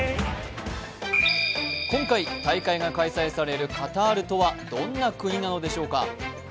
今回、大会が開催されるカタールとはどんな国なんでしょうか。